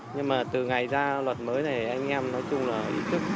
nhưng mà từ ngày ra luật mới này anh em nói chung là ý thức